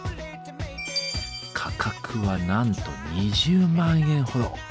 価格はなんと２０万円ほど。